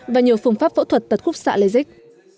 và nhiều phương pháp phẫu thuật tật khúc xạ lây dích